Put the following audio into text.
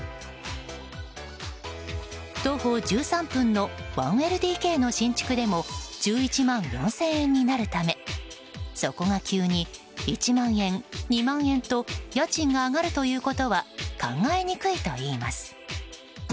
徒歩１３分の１ＬＤＫの新築でも１１万４０００円になるためそこが急に１万円、２万円と家賃が上がるということは考えにくいといいます。